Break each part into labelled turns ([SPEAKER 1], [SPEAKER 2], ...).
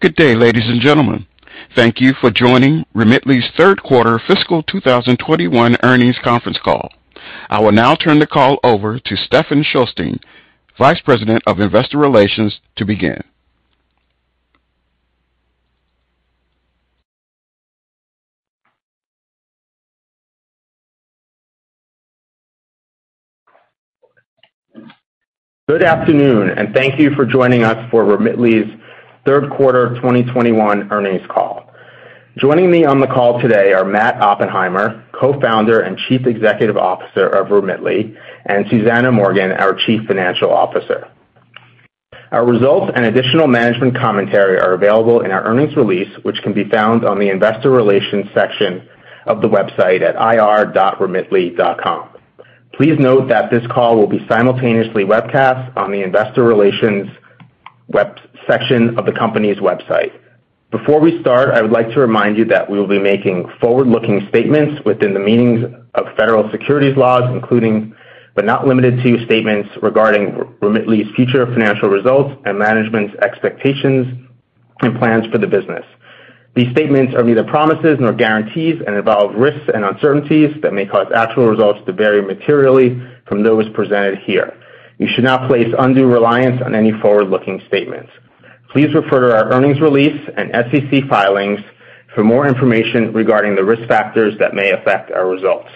[SPEAKER 1] Good day, ladies and gentlemen. Thank you for joining Remitly's third quarter fiscal 2021 earnings conference call. I will now turn the call over to Stephen Shulstein, Vice President of Investor Relations, to begin.
[SPEAKER 2] Good afternoon, and thank you for joining us for Remitly's third quarter 2021 earnings call. Joining me on the call today are Matt Oppenheimer, Co-founder and Chief Executive Officer of Remitly, and Susanna Morgan, our Chief Financial Officer. Our results and additional management commentary are available in our earnings release, which can be found on the investor relations section of the website at ir.remitly.com. Please note that this call will be simultaneously webcast on the investor relations web section of the company's website. Before we start, I would like to remind you that we will be making forward-looking statements within the meanings of federal securities laws, including but not limited to statements regarding Remitly's future financial results and management's expectations and plans for the business. These statements are neither promises nor guarantees and involve risks and uncertainties that may cause actual results to vary materially from those presented here. You should not place undue reliance on any forward-looking statements. Please refer to our earnings release and SEC filings for more information regarding the risk factors that may affect our results.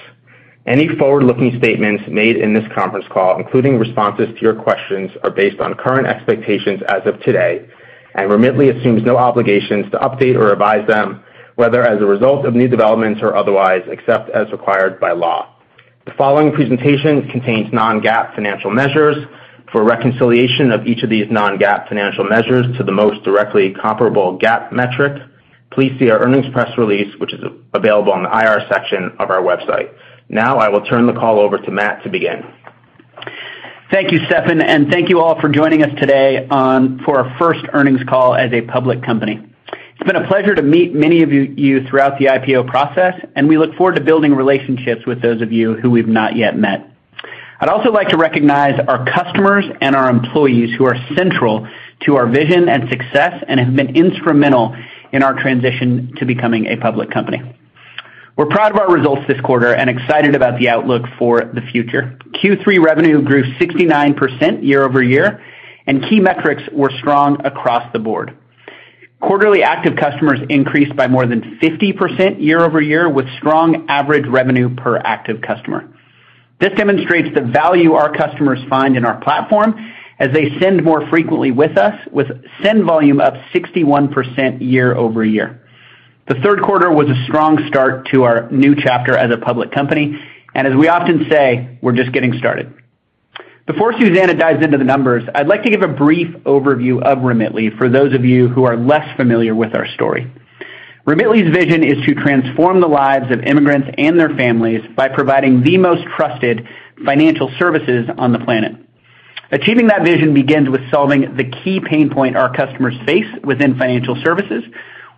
[SPEAKER 2] Any forward-looking statements made in this conference call, including responses to your questions, are based on current expectations as of today, and Remitly assumes no obligations to update or revise them, whether as a result of new developments or otherwise, except as required by law. The following presentation contains non-GAAP financial measures. For reconciliation of each of these non-GAAP financial measures to the most directly comparable GAAP metric, please see our earnings press release, which is available on the IR section of our website. Now I will turn the call over to Matt to begin.
[SPEAKER 3] Thank you, Stephen, and thank you all for joining us today for our first earnings call as a public company. It's been a pleasure to meet many of you throughout the IPO process, and we look forward to building relationships with those of you who we've not yet met. I'd also like to recognize our customers and our employees who are central to our vision and success and have been instrumental in our transition to becoming a public company. We're proud of our results this quarter and excited about the outlook for the future. Q3 revenue grew 69% year-over-year, and key metrics were strong across the board. Quarterly active customers increased by more than 50% year-over-year, with strong average revenue per active customer. This demonstrates the value our customers find in our platform as they send more frequently with us, with send volume up 61% year-over-year. The third quarter was a strong start to our new chapter as a public company, and as we often say, we're just getting started. Before Susanna dives into the numbers, I'd like to give a brief overview of Remitly for those of you who are less familiar with our story. Remitly's vision is to transform the lives of immigrants and their families by providing the most trusted financial services on the planet. Achieving that vision begins with solving the key pain point our customers face within financial services,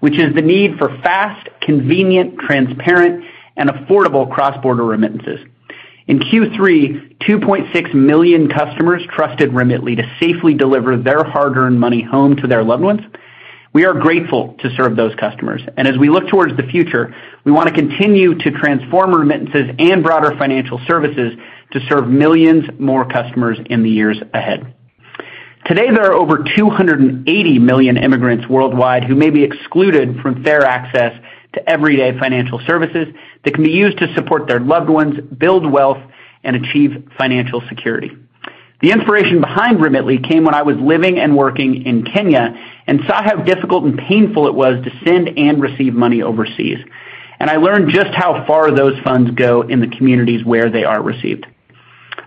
[SPEAKER 3] which is the need for fast, convenient, transparent, and affordable cross-border remittances. In Q3, 2.6 million customers trusted Remitly to safely deliver their hard-earned money home to their loved ones. We are grateful to serve those customers, and as we look towards the future, we wanna continue to transform remittances and broader financial services to serve millions more customers in the years ahead. Today, there are over 280 million immigrants worldwide who may be excluded from fair access to everyday financial services that can be used to support their loved ones, build wealth, and achieve financial security. The inspiration behind Remitly came when I was living and working in Kenya and saw how difficult and painful it was to send and receive money overseas, and I learned just how far those funds go in the communities where they are received.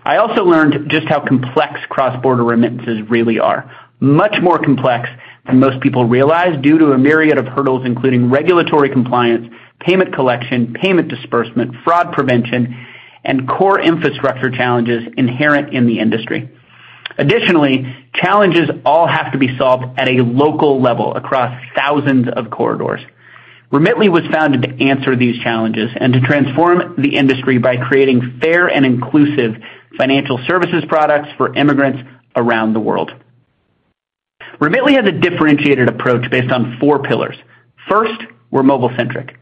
[SPEAKER 3] I also learned just how complex cross-border remittances really are. Much more complex than most people realize due to a myriad of hurdles, including regulatory compliance, payment collection, payment disbursement, fraud prevention, and core infrastructure challenges inherent in the industry. Additionally, these challenges all have to be solved at a local level across thousands of corridors. Remitly was founded to answer these challenges and to transform the industry by creating fair and inclusive financial services products for immigrants around the world. Remitly has a differentiated approach based on four pillars. First, we're mobile-centric.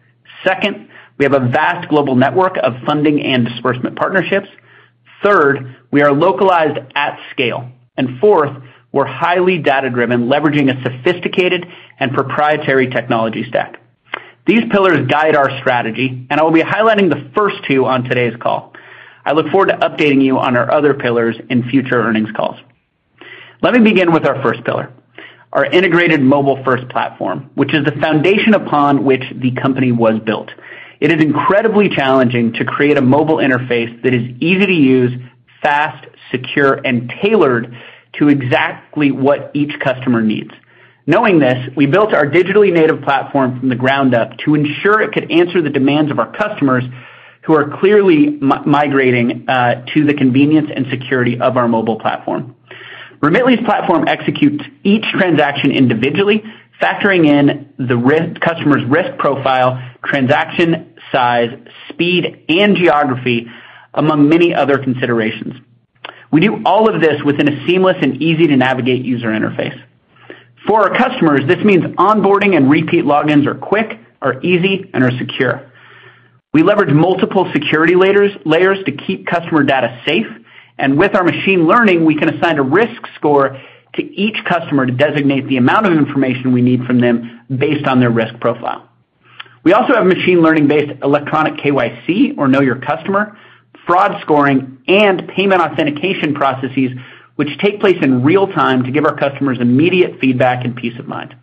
[SPEAKER 3] Second, we have a vast global network of funding and disbursement partnerships. Third, we are localized at scale. Fourth, we're highly data-driven, leveraging a sophisticated and proprietary technology stack. These pillars guide our strategy, and I will be highlighting the first two on today's call. I look forward to updating you on our other pillars in future earnings calls. Let me begin with our first pillar, our integrated mobile-first platform, which is the foundation upon which the company was built. It is incredibly challenging to create a mobile interface that is easy to use, fast, secure, and tailored to exactly what each customer needs. Knowing this, we built our digitally native platform from the ground up to ensure it could answer the demands of our customers, who are clearly migrating to the convenience and security of our mobile platform. Remitly's platform executes each transaction individually, factoring in the customer's risk profile, transaction size, speed, and geography, among many other considerations. We do all of this within a seamless and easy-to-navigate user interface. For our customers, this means onboarding and repeat logins are quick, are easy, and are secure. We leverage multiple security layers to keep customer data safe, and with our machine learning, we can assign a risk score to each customer to designate the amount of information we need from them based on their risk profile. We also have machine learning-based electronic KYC or know your customer, fraud scoring, and payment authentication processes which take place in real time to give our customers immediate feedback and peace of mind.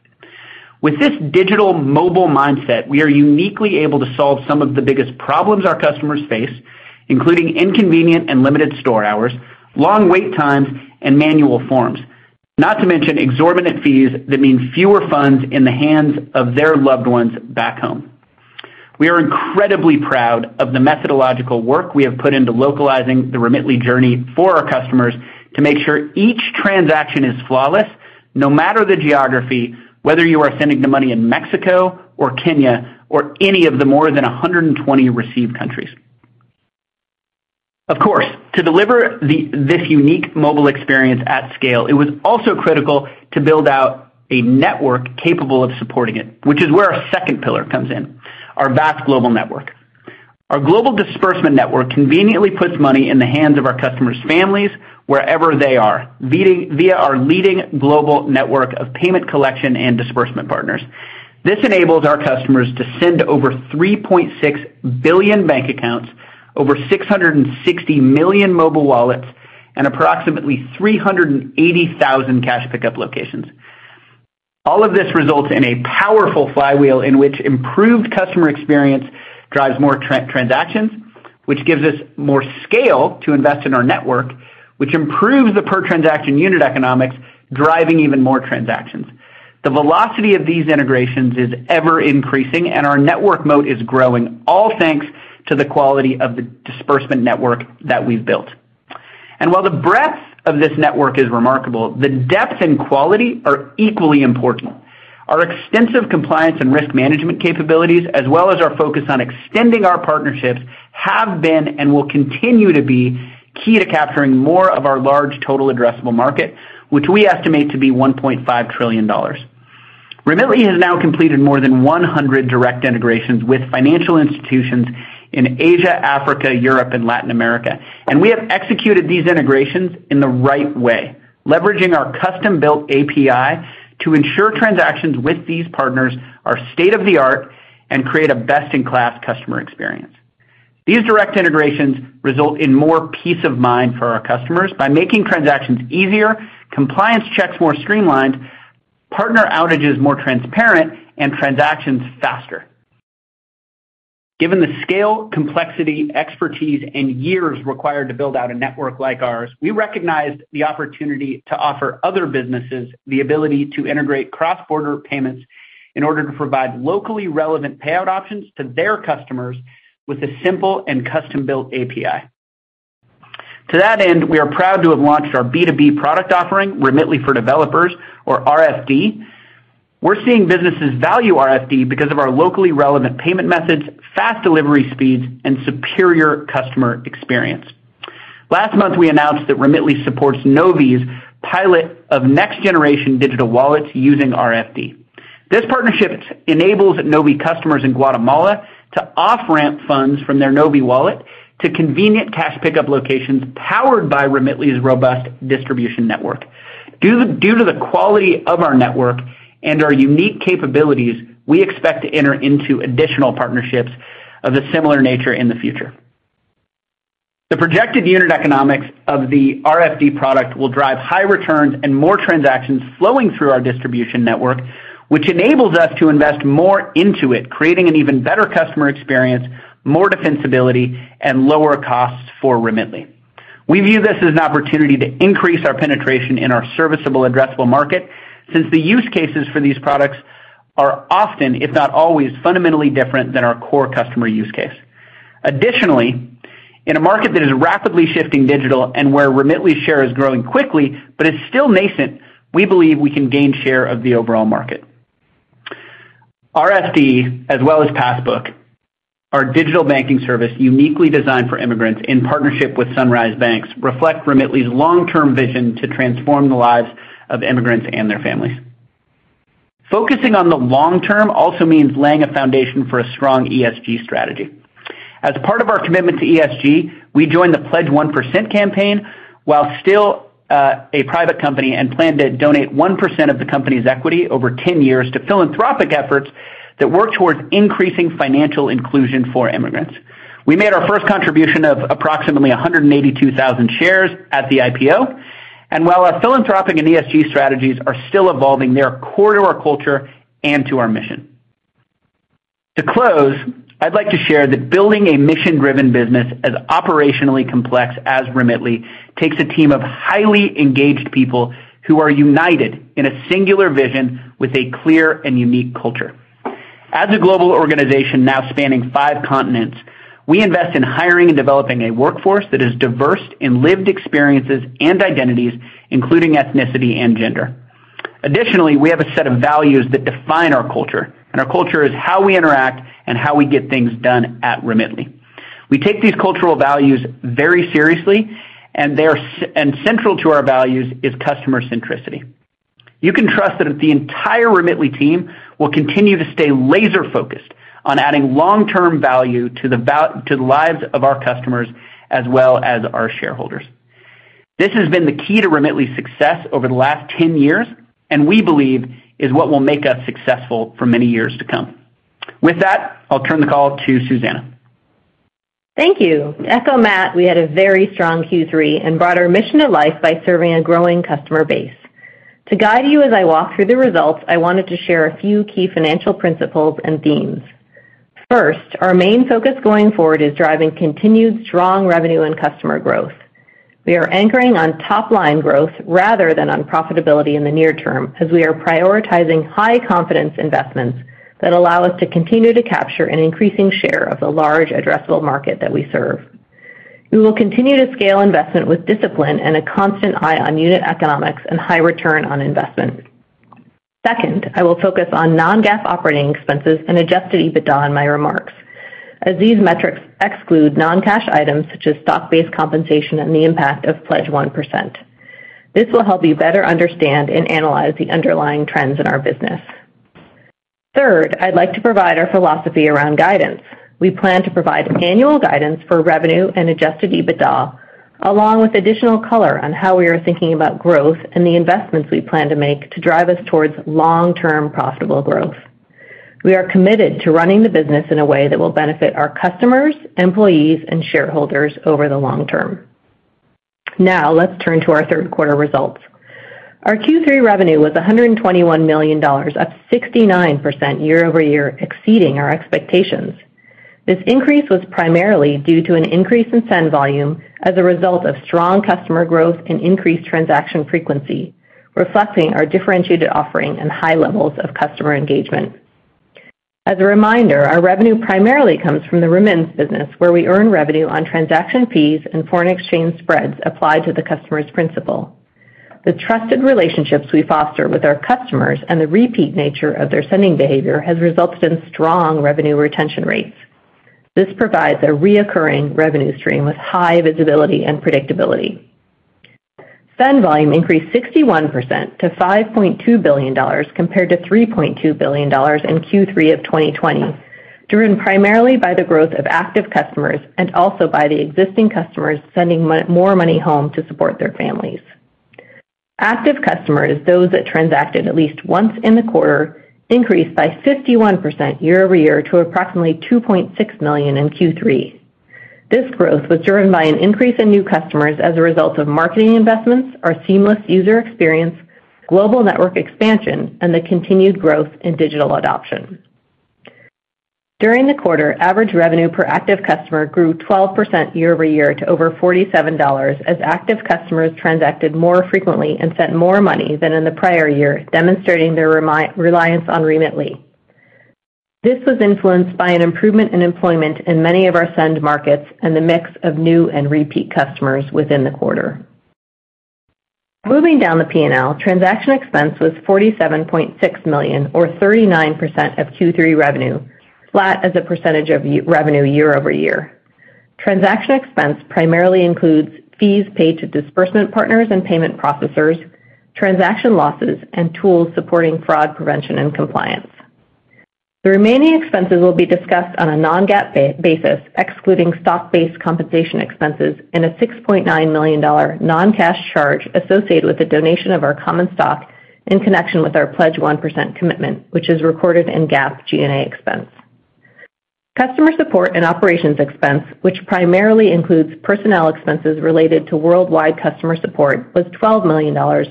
[SPEAKER 3] With this digital mobile mindset, we are uniquely able to solve some of the biggest problems our customers face, including inconvenient and limited store hours, long wait times, and manual forms. Not to mention exorbitant fees that mean fewer funds in the hands of their loved ones back home. We are incredibly proud of the methodological work we have put into localizing the Remitly journey for our customers to make sure each transaction is flawless, no matter the geography, whether you are sending the money in Mexico or Kenya or any of the more than 120 receive countries. Of course, to deliver this unique mobile experience at scale, it was also critical to build out a network capable of supporting it, which is where our second pillar comes in, our vast global network. Our global disbursement network conveniently puts money in the hands of our customers' families wherever they are, providing, via our leading global network of payment collection and disbursement partners. This enables our customers to send to over 3.6 billion bank accounts, over 660 million mobile wallets, and approximately 380,000 cash pickup locations. All of this results in a powerful flywheel in which improved customer experience drives more transactions, which gives us more scale to invest in our network, which improves the per transaction unit economics, driving even more transactions. The velocity of these integrations is ever-increasing, and our network moat is growing, all thanks to the quality of the disbursement network that we've built. While the breadth of this network is remarkable, the depth and quality are equally important. Our extensive compliance and risk management capabilities, as well as our focus on extending our partnerships, have been and will continue to be key to capturing more of our large total addressable market, which we estimate to be $1.5 trillion. Remitly has now completed more than 100 direct integrations with financial institutions in Asia, Africa, Europe, and Latin America. We have executed these integrations in the right way, leveraging our custom-built API to ensure transactions with these partners are state-of-the-art and create a best-in-class customer experience. These direct integrations result in more peace of mind for our customers by making transactions easier, compliance checks more streamlined, partner outages more transparent, and transactions faster. Given the scale, complexity, expertise, and years required to build out a network like ours, we recognized the opportunity to offer other businesses the ability to integrate cross-border payments in order to provide locally relevant payout options to their customers with a simple and custom-built API. To that end, we are proud to have launched our B2B product offering, Remitly for Developers or RFD. We're seeing businesses value RFD because of our locally relevant payment methods, fast delivery speeds, and superior customer experience. Last month, we announced that Remitly supports Novi's pilot of next-generation digital wallets using RFD. This partnership enables Novi customers in Guatemala to off-ramp funds from their NoviWallet to convenient cash pickup locations powered by Remitly's robust distribution network. Due to the quality of our network and our unique capabilities, we expect to enter into additional partnerships of a similar nature in the future. The projected unit economics of the RFD product will drive high returns and more transactions flowing through our distribution network, which enables us to invest more into it, creating an even better customer experience, more defensibility, and lower costs for Remitly. We view this as an opportunity to increase our penetration in our serviceable addressable market since the use cases for these products are often, if not always, fundamentally different than our core customer use case. Additionally, in a market that is rapidly shifting digital and where Remitly share is growing quickly but is still nascent, we believe we can gain share of the overall market. RFD as well as Passbook, our digital banking service uniquely designed for immigrants in partnership with Sunrise Banks, reflect Remitly's long-term vision to transform the lives of immigrants and their families. Focusing on the long term also means laying a foundation for a strong ESG strategy. As part of our commitment to ESG, we joined the Pledge 1% campaign while still a private company and plan to donate 1% of the company's equity over 10 years to philanthropic efforts that work towards increasing financial inclusion for immigrants. We made our first contribution of approximately 182,000 shares at the IPO. While our philanthropic and ESG strategies are still evolving, they are core to our culture and to our mission. To close, I'd like to share that building a mission-driven business as operationally complex as Remitly takes a team of highly engaged people who are united in a singular vision with a clear and unique culture. As a global organization now spanning five continents, we invest in hiring and developing a workforce that is diverse in lived experiences and identities, including ethnicity and gender. Additionally, we have a set of values that define our culture, and our culture is how we interact and how we get things done at Remitly. We take these cultural values very seriously and they are central to our values is customer centricity. You can trust that the entire Remitly team will continue to stay laser-focused on adding long-term value to the lives of our customers as well as our shareholders. This has been the key to Remitly's success over the last 10 years, and we believe is what will make us successful for many years to come. With that, I'll turn the call to Susanna.
[SPEAKER 4] Thank you. To echo Matt, we had a very strong Q3 and brought our mission to life by serving a growing customer base. To guide you as I walk through the results, I wanted to share a few key financial principles and themes. First, our main focus going forward is driving continued strong revenue and customer growth. We are anchoring on top-line growth rather than on profitability in the near term, as we are prioritizing high-confidence investments that allow us to continue to capture an increasing share of the large addressable market that we serve. We will continue to scale investment with discipline and a constant eye on unit economics and high return on investment. Second, I will focus on non-GAAP operating expenses and adjusted EBITDA in my remarks, as these metrics exclude non-cash items such as stock-based compensation and the impact of Pledge 1%. This will help you better understand and analyze the underlying trends in our business. Third, I'd like to provide our philosophy around guidance. We plan to provide annual guidance for revenue and adjusted EBITDA, along with additional color on how we are thinking about growth and the investments we plan to make to drive us towards long-term profitable growth. We are committed to running the business in a way that will benefit our customers, employees, and shareholders over the long term. Now, let's turn to our third quarter results. Our Q3 revenue was $121 million, up 69% year-over-year, exceeding our expectations. This increase was primarily due to an increase in send volume as a result of strong customer growth and increased transaction frequency, reflecting our differentiated offering and high levels of customer engagement. As a reminder, our revenue primarily comes from the remittance business, where we earn revenue on transaction fees and foreign exchange spreads applied to the customer's principal. The trusted relationships we foster with our customers and the repeat nature of their sending behavior has resulted in strong revenue retention rates. This provides a recurring revenue stream with high visibility and predictability. Send volume increased 61% to $5.2 billion compared to $3.2 billion in Q3 of 2020, driven primarily by the growth of active customers and also by the existing customers sending more money home to support their families. Active customers, those that transacted at least once in the quarter, increased by 51% year-over-year to approximately 2.6 million in Q3. This growth was driven by an increase in new customers as a result of marketing investments, our seamless user experience, global network expansion, and the continued growth in digital adoption. During the quarter, average revenue per active customer grew 12% year-over-year to over $47 as active customers transacted more frequently and sent more money than in the prior year, demonstrating their remittance reliance on Remitly. This was influenced by an improvement in employment in many of our send markets and the mix of new and repeat customers within the quarter. Moving down the P&L, transaction expense was $47.6 million or 39% of Q3 revenue, flat as a percentage of revenue year-over-year. Transaction expense primarily includes fees paid to disbursement partners and payment processors, transaction losses, and tools supporting fraud prevention and compliance. The remaining expenses will be discussed on a non-GAAP basis, excluding stock-based compensation expenses and a $6.9 million non-cash charge associated with the donation of our common stock in connection with our Pledge 1% commitment, which is recorded in GAAP G&A expense. Customer support and operations expense, which primarily includes personnel expenses related to worldwide customer support, was $12 million or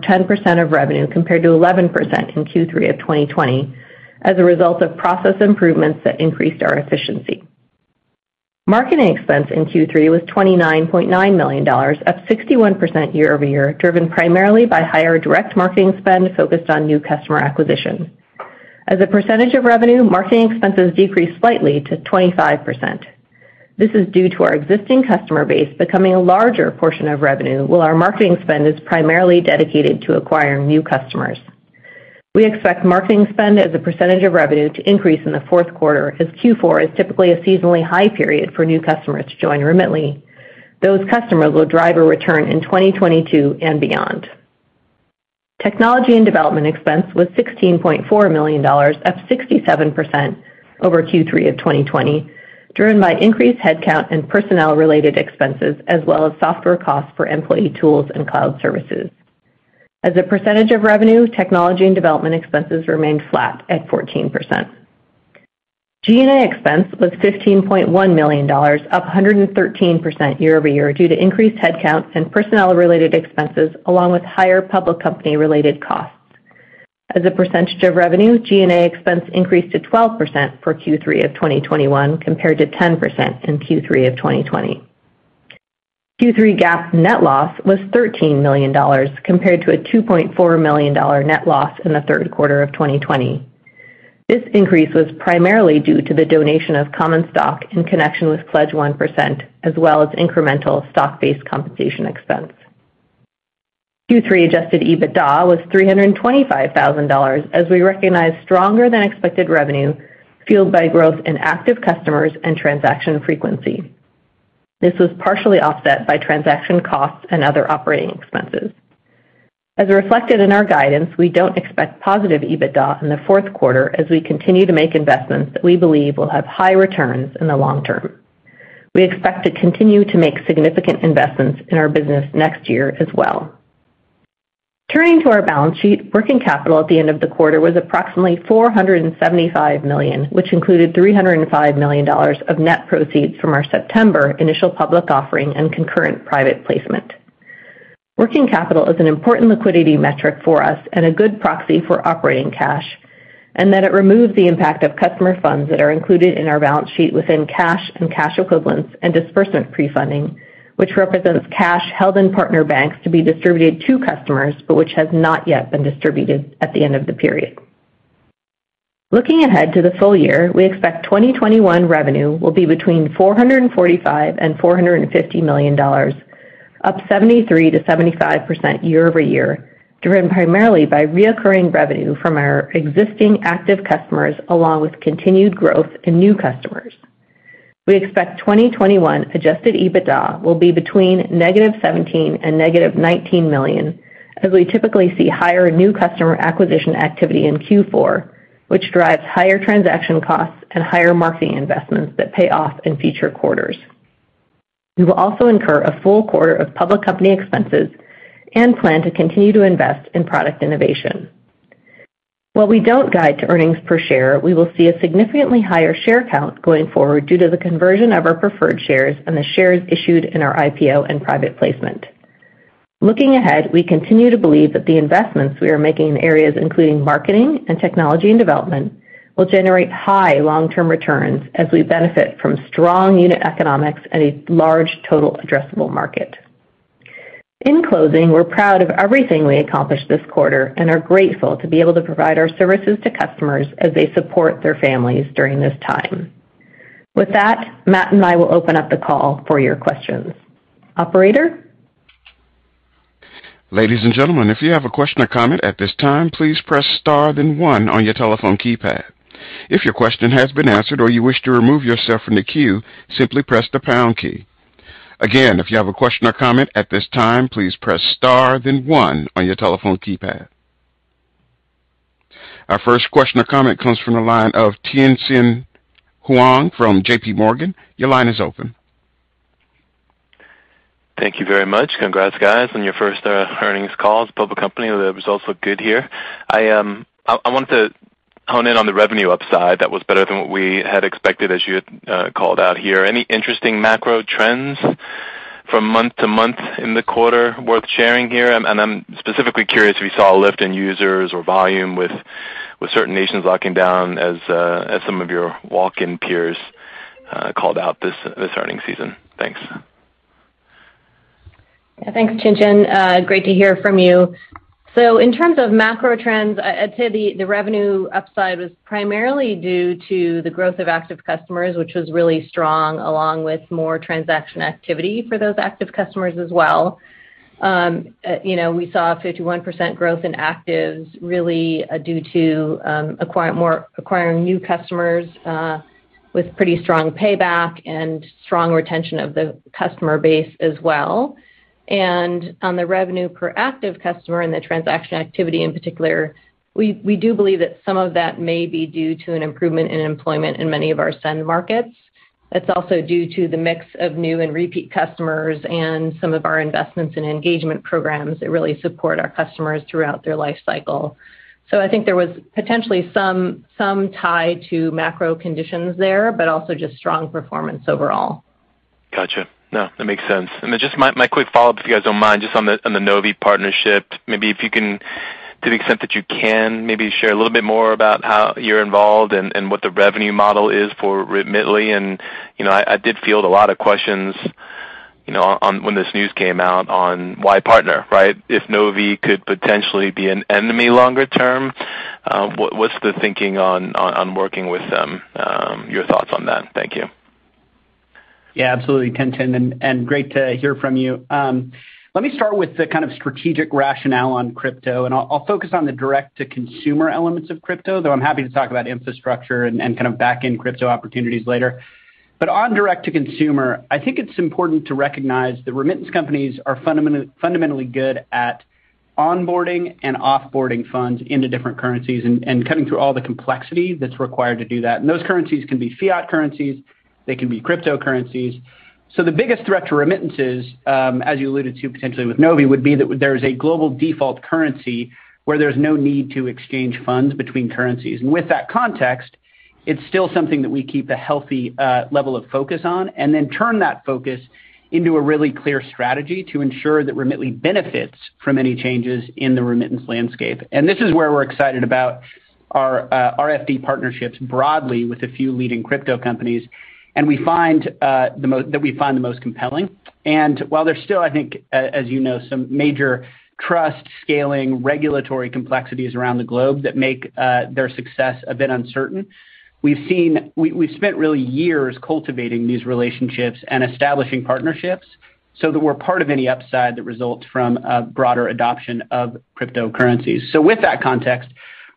[SPEAKER 4] 10% of revenue compared to 11% in Q3 of 2020 as a result of process improvements that increased our efficiency. Marketing expense in Q3 was $29.9 million, up 61% year-over-year, driven primarily by higher direct marketing spend focused on new customer acquisition. As a percentage of revenue, marketing expenses decreased slightly to 25%. This is due to our existing customer base becoming a larger portion of revenue, while our marketing spend is primarily dedicated to acquiring new customers. We expect marketing spend as a percentage of revenue to increase in the fourth quarter, as Q4 is typically a seasonally high period for new customers to join Remitly. Those customers will drive a return in 2022 and beyond. Technology and development expense was $16.4 million, up 67% over Q3 of 2020, driven by increased headcount and personnel-related expenses, as well as software costs for employee tools and cloud services. As a percentage of revenue, technology and development expenses remained flat at 14%. G&A expense was $15.1 million, up 113% year-over-year due to increased headcount and personnel-related expenses, along with higher public company-related costs. As a percentage of revenue, G&A expense increased to 12% for Q3 of 2021 compared to 10% in Q3 of 2020. Q3 GAAP net loss was $13 million compared to a $2.4 million net loss in the third quarter of 2020. This increase was primarily due to the donation of common stock in connection with Pledge 1%, as well as incremental stock-based compensation expense. Q3 adjusted EBITDA was $325 thousand as we recognized stronger than expected revenue fueled by growth in active customers and transaction frequency. This was partially offset by transaction costs and other operating expenses. As reflected in our guidance, we don't expect positive EBITDA in the fourth quarter as we continue to make investments that we believe will have high returns in the long term. We expect to continue to make significant investments in our business next year as well. Turning to our balance sheet, working capital at the end of the quarter was approximately $475 million, which included $305 million of net proceeds from our September initial public offering and concurrent private placement. Working capital is an important liquidity metric for us and a good proxy for operating cash, and that it removes the impact of customer funds that are included in our balance sheet within cash and cash equivalents and disbursement pre-funding, which represents cash held in partner banks to be distributed to customers, but which has not yet been distributed at the end of the period. Looking ahead to the full year, we expect 2021 revenue will be between $445 million-$450 million, up 73%-75% year-over-year, driven primarily by recurring revenue from our existing active customers along with continued growth in new customers. We expect 2021 adjusted EBITDA will be between -$17 million-$19 million as we typically see higher new customer acquisition activity in Q4, which drives higher transaction costs and higher marketing investments that pay off in future quarters. We will also incur a full quarter of public company expenses and plan to continue to invest in product innovation. While we don't guide to earnings per share, we will see a significantly higher share count going forward due to the conversion of our preferred shares and the shares issued in our IPO and private placement. Looking ahead, we continue to believe that the investments we are making in areas including marketing and technology and development will generate high long-term returns as we benefit from strong unit economics and a large total addressable market. In closing, we're proud of everything we accomplished this quarter and are grateful to be able to provide our services to customers as they support their families during this time. With that, Matt and I will open up the call for your questions. Operator?
[SPEAKER 1] Ladies and gentlemen, if you have a question or comment at this time, please press star then one on your telephone keypad. If your question has been answered or you wish to remove yourself from the queue, simply press the pound key. Again, if you have a question or comment at this time, please press star then one on your telephone keypad. Our first question or comment comes from the line of Tien-Tsin Huang from J.P. Morgan. Your line is open.
[SPEAKER 5] Thank you very much. Congrats, guys, on your first earnings call as a public company. The results look good here. I wanted to hone in on the revenue upside that was better than what we had expected as you had called out here. Any interesting macro trends from month to month in the quarter worth sharing here? I'm specifically curious if you saw a lift in users or volume with certain nations locking down as some of your walk-in peers called out this earnings season. Thanks.
[SPEAKER 4] Thanks, Tien-Tsin Huang. Great to hear from you. In terms of macro trends, I'd say the revenue upside was primarily due to the growth of active customers, which was really strong, along with more transaction activity for those active customers as well. You know, we saw a 51% growth in actives really due to acquiring new customers with pretty strong payback and strong retention of the customer base as well. On the revenue per active customer and the transaction activity in particular, we do believe that some of that may be due to an improvement in employment in many of our send markets. It's also due to the mix of new and repeat customers and some of our investments in engagement programs that really support our customers throughout their life cycle. I think there was potentially some tie to macro conditions there, but also just strong performance overall.
[SPEAKER 5] Gotcha. No, that makes sense. Just my quick follow-up, if you guys don't mind, just on the Novi partnership, maybe if you can, to the extent that you can, maybe share a little bit more about how you're involved and what the revenue model is for Remitly. You know, I did field a lot of questions, you know, on when this news came out on why partner, right? If Novi could potentially be an enemy longer term, what's the thinking on working with them? Your thoughts on that. Thank you.
[SPEAKER 3] Yeah, absolutely, Tien-Tsin, and great to hear from you. Let me start with the kind of strategic rationale on crypto, and I'll focus on the direct-to-consumer elements of crypto, though I'm happy to talk about infrastructure and kind of back-end crypto opportunities later. On direct-to-consumer, I think it's important to recognize that remittance companies are fundamentally good at onboarding and off-boarding funds into different currencies and cutting through all the complexity that's required to do that. Those currencies can be fiat currencies. They can be cryptocurrencies. The biggest threat to remittances, as you alluded to potentially with Novi, would be that there is a global default currency where there's no need to exchange funds between currencies. With that context, it's still something that we keep a healthy level of focus on and then turn that focus into a really clear strategy to ensure that Remitly benefits from any changes in the remittance landscape. This is where we're excited about our RFD partnerships broadly with a few leading crypto companies, and we find the most compelling. While there's still, I think, as you know, some major trust scaling regulatory complexities around the globe that make their success a bit uncertain. We've spent real years cultivating these relationships and establishing partnerships so that we're part of any upside that results from a broader adoption of cryptocurrencies. With that context,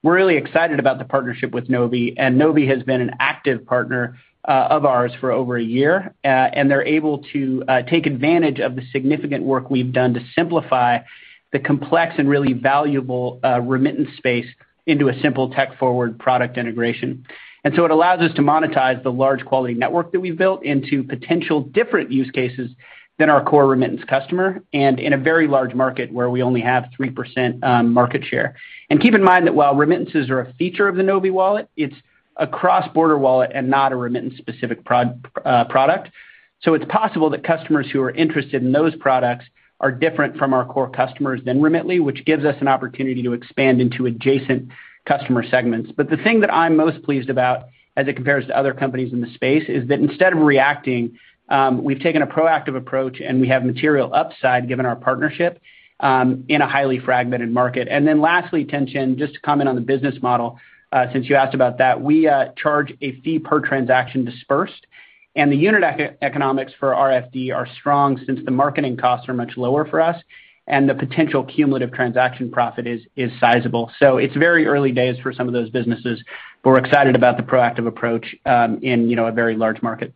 [SPEAKER 3] we're really excited about the partnership with Novi, and Novi has been an active partner of ours for over a year. They're able to take advantage of the significant work we've done to simplify the complex and really valuable remittance space into a simple tech-forward product integration. It allows us to monetize the large quality network that we've built into potential different use cases than our core remittance customer, and in a very large market where we only have 3% market share. Keep in mind that while remittances are a feature of the NoviWallet, it's a cross-border wallet and not a remittance-specific product. It's possible that customers who are interested in those products are different from our core customers at Remitly, which gives us an opportunity to expand into adjacent customer segments. The thing that I'm most pleased about as it compares to other companies in the space is that instead of reacting, we've taken a proactive approach, and we have material upside given our partnership in a highly fragmented market. Lastly, Tien-Tsin, just to comment on the business model, since you asked about that. We charge a fee per transaction disbursed, and the unit economics for RFD are strong since the marketing costs are much lower for us, and the potential cumulative transaction profit is sizable. It's very early days for some of those businesses, but we're excited about the proactive approach in, you know, a very large market.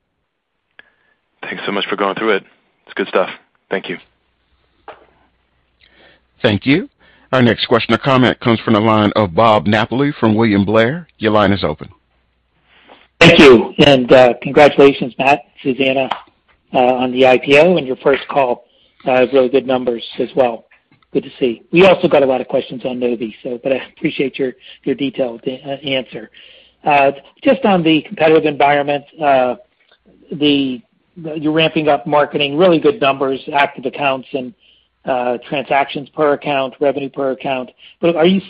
[SPEAKER 5] Thanks so much for going through it. It's good stuff. Thank you.
[SPEAKER 1] Thank you. Our next question or comment comes from the line of Bob Napoli from William Blair. Your line is open.
[SPEAKER 6] Thank you and congratulations, Matt, Susanna, on the IPO and your first call with really good numbers as well. Good to see. We also got a lot of questions on Novi, I appreciate your detailed answer. Just on the competitive environment. You're ramping up marketing, really good numbers, active accounts and transactions per account, revenue per account. What are you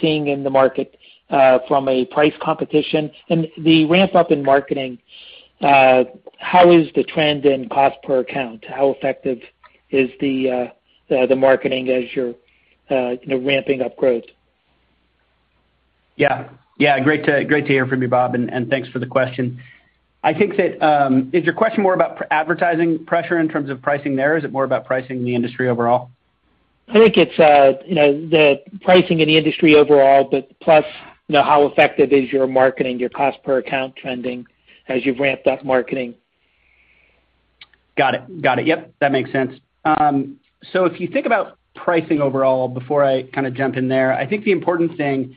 [SPEAKER 6] seeing in the market from a price competition? The ramp-up in marketing, how is the trend in cost per account? How effective is the marketing as you're you know ramping up growth?
[SPEAKER 3] Yeah, great to hear from you, Bob, and thanks for the question. I think that. Is your question more about advertising pressure in terms of pricing there, or is it more about pricing in the industry overall?
[SPEAKER 6] I think it's, you know, the pricing in the industry overall, but plus, you know, how effective is your marketing, your cost per account trending as you've ramped up marketing.
[SPEAKER 3] Got it. Yep, that makes sense. If you think about pricing overall, before I kinda jump in there, I think the important thing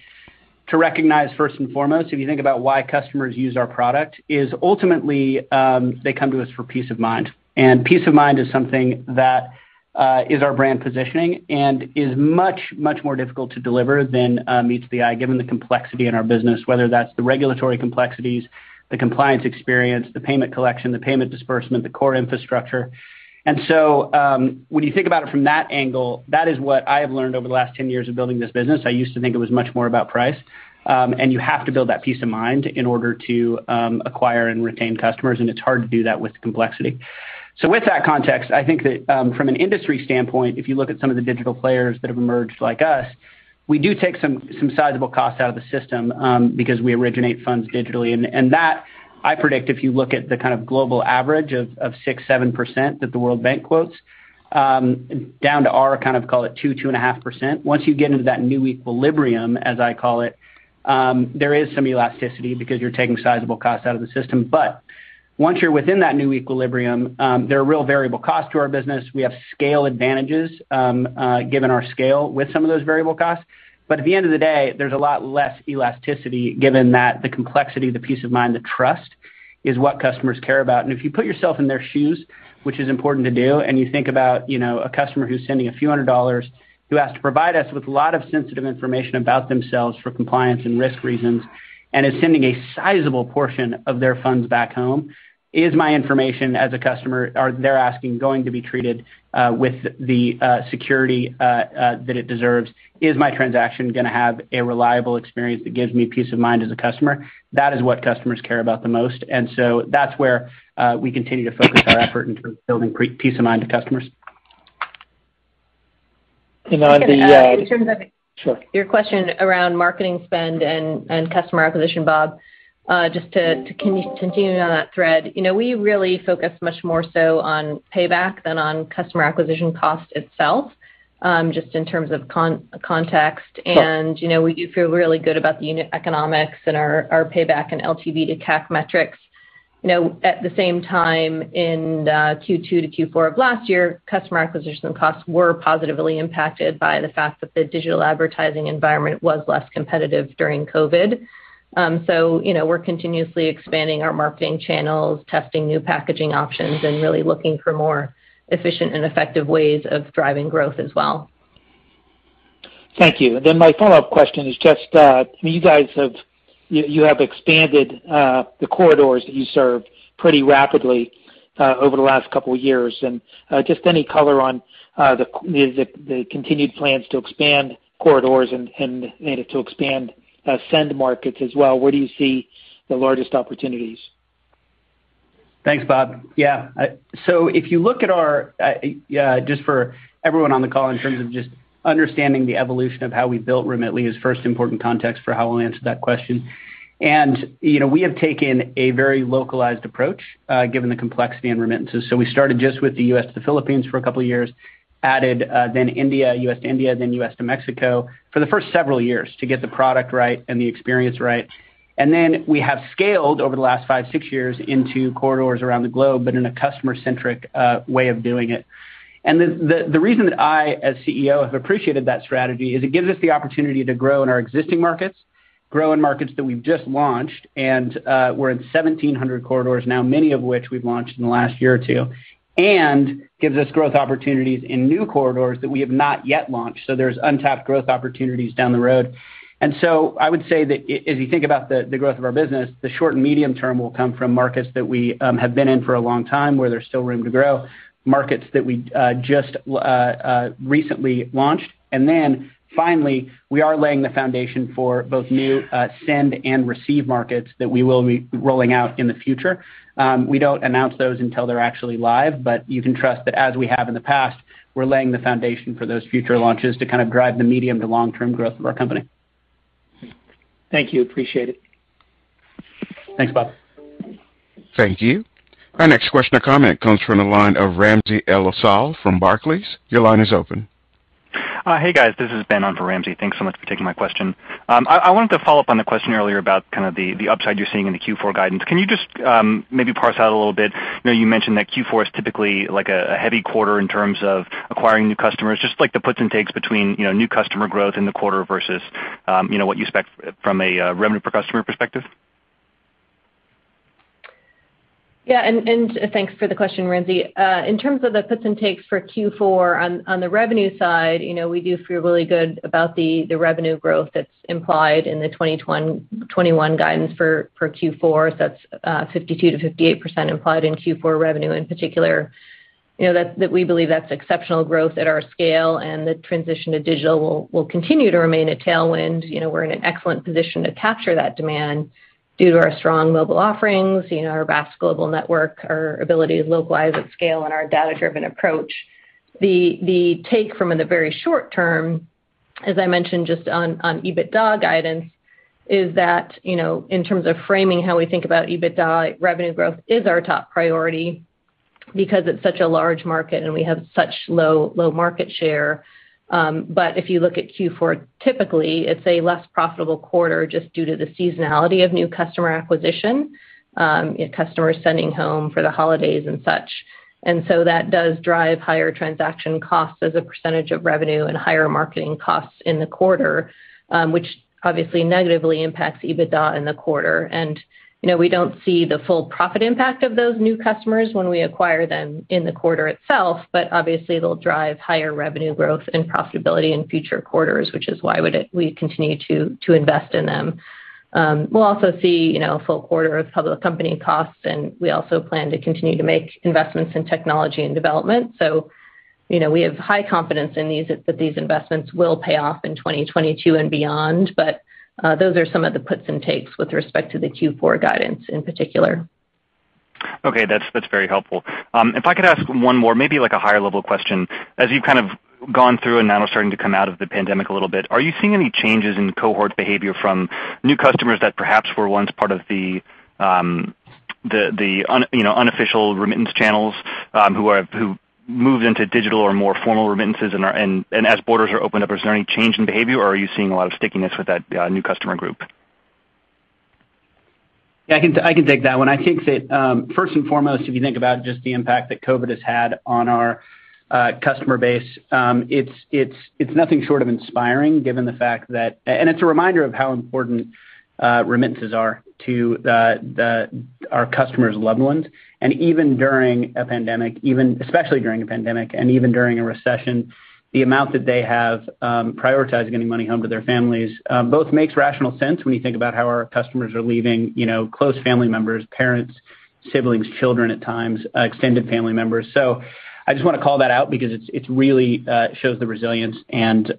[SPEAKER 3] to recognize first and foremost, if you think about why customers use our product, is ultimately they come to us for peace of mind. Peace of mind is something that is our brand positioning and is much, much more difficult to deliver than meets the eye given the complexity in our business, whether that's the regulatory complexities, the compliance experience, the payment collection, the payment disbursement, the core infrastructure. When you think about it from that angle, that is what I have learned over the last 10 years of building this business. I used to think it was much more about price. You have to build that peace of mind in order to acquire and retain customers, and it's hard to do that with complexity. With that context, I think that from an industry standpoint, if you look at some of the digital players that have emerged like us, we do take some sizable costs out of the system because we originate funds digitally. That, I predict if you look at the kind of global average of 6%-7% that the World Bank quotes down to our kind of call it 2%-2.5%. Once you get into that new equilibrium, as I call it, there is some elasticity because you're taking sizable costs out of the system. Once you're within that new equilibrium, there are real variable costs to our business. We have scale advantages given our scale with some of those variable costs. At the end of the day, there's a lot less elasticity given that the complexity, the peace of mind, the trust is what customers care about. If you put yourself in their shoes, which is important to do, and you think about, you know, a customer who's sending a few hundred dollars, who has to provide us with a lot of sensitive information about themselves for compliance and risk reasons, and is sending a sizable portion of their funds back home, is my information as a customer, or they're asking, going to be treated with the security that it deserves? Is my transaction gonna have a reliable experience that gives me peace of mind as a customer? That is what customers care about the most. That's where we continue to focus our effort in terms of building peace of mind to customers.
[SPEAKER 6] And on the, uh-
[SPEAKER 4] In terms of-
[SPEAKER 6] Sure.
[SPEAKER 4] Your question around marketing spend and customer acquisition, Bob, just to continue on that thread. You know, we really focus much more so on payback than on customer acquisition cost itself, just in terms of context.
[SPEAKER 6] Sure.
[SPEAKER 4] You know, we do feel really good about the unit economics and our payback and LTV to CAC metrics. You know, at the same time, in Q2-Q4 of last year, customer acquisition costs were positively impacted by the fact that the digital advertising environment was less competitive during COVID. You know, we're continuously expanding our marketing channels, testing new packaging options, and really looking for more efficient and effective ways of driving growth as well.
[SPEAKER 6] Thank you. My follow-up question is just, you have expanded the corridors that you serve pretty rapidly over the last couple years. Just any color on the continued plans to expand corridors and to expand send markets as well. Where do you see the largest opportunities?
[SPEAKER 3] Thanks, Bob. Yeah. If you look at our just for everyone on the call in terms of just understanding the evolution of how we built Remitly is first important context for how I'll answer that question. You know, we have taken a very localized approach, given the complexity in remittances. We started just with the U.S. to the Philippines for a couple of years, added, then India, U.S. to India, then U.S. to Mexico for the first several years to get the product right and the experience right. We have scaled over the last five, six years into corridors around the globe, but in a customer-centric way of doing it. The reason that I as CEO have appreciated that strategy is it gives us the opportunity to grow in our existing markets, grow in markets that we've just launched, and we're in 1,700 corridors now, many of which we've launched in the last year or two, and gives us growth opportunities in new corridors that we have not yet launched. There's untapped growth opportunities down the road. I would say that if you think about the growth of our business, the short and medium term will come from markets that we have been in for a long time, where there's still room to grow, markets that we just recently launched. Then finally, we are laying the foundation for both new send and receive markets that we will be rolling out in the future. We don't announce those until they're actually live, but you can trust that as we have in the past, we're laying the foundation for those future launches to kind of drive the medium to long-term growth of our company.
[SPEAKER 6] Thank you. Appreciate it.
[SPEAKER 3] Thanks, Bob.
[SPEAKER 1] Thank you. Our next question or comment comes from the line of Ramsey El-Assal from Barclays. Your line is open.
[SPEAKER 7] Hey, guys, this is Ben on for Ramzi. Thanks so much for taking my question. I wanted to follow up on the question earlier about the upside you're seeing in the Q4 guidance. Can you just maybe parse out a little bit? I know you mentioned that Q4 is typically like a heavy quarter in terms of acquiring new customers, just like the puts and takes between you know, new customer growth in the quarter versus you know, what you expect from a revenue per customer perspective.
[SPEAKER 4] Yeah, thanks for the question, Ramsey. In terms of the puts and takes for Q4 on the revenue side, you know, we do feel really good about the revenue growth that's implied in the 2021 guidance for Q4. That's 52%-58% implied in Q4 revenue in particular. You know, that's. We believe that's exceptional growth at our scale, and the transition to digital will continue to remain a tailwind. You know, we're in an excellent position to capture that demand due to our strong mobile offerings, you know, our vast global network, our ability to localize at scale and our data-driven approach. The takeaway from in the very short term, as I mentioned just on EBITDA guidance, is that, you know, in terms of framing how we think about EBITDA, revenue growth is our top priority because it's such a large market and we have such low market share. If you look at Q4, typically, it's a less profitable quarter just due to the seasonality of new customer acquisition, customers sending home for the holidays and such. That does drive higher transaction costs as a percentage of revenue and higher marketing costs in the quarter, which obviously negatively impacts EBITDA in the quarter. You know, we don't see the full profit impact of those new customers when we acquire them in the quarter itself, but obviously they'll drive higher revenue growth and profitability in future quarters, which is why we continue to invest in them. We'll also see, you know, a full quarter of public company costs, and we also plan to continue to make investments in technology and development. You know, we have high confidence that these investments will pay off in 2022 and beyond. Those are some of the puts and takes with respect to the Q4 guidance in particular.
[SPEAKER 7] Okay. That's very helpful. If I could ask one more, maybe like a higher level question. As you've kind of gone through and now starting to come out of the pandemic a little bit, are you seeing any changes in cohort behavior from new customers that perhaps were once part of the, you know, unofficial remittance channels, who moved into digital or more formal remittances, and as borders are opened up, is there any change in behavior, or are you seeing a lot of stickiness with that new customer group?
[SPEAKER 3] Yeah, I can take that one. I think that first and foremost, if you think about just the impact that COVID has had on our customer base, it's nothing short of inspiring given the fact that it's a reminder of how important remittances are to our customers' loved ones. Even during a pandemic, especially during a pandemic and even during a recession, the amount that they have prioritized getting money home to their families both makes rational sense when you think about how our customers are leaving, you know, close family members, parents, siblings, children at times, extended family members. I just wanna call that out because it really shows the resilience and